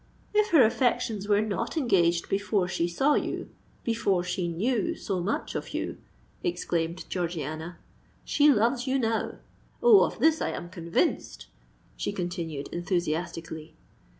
"If her affections were not engaged before she saw you—before she knew so much of you," exclaimed Georgiana, "she loves you now. Oh! of this I am convinced," she continued enthusiastically.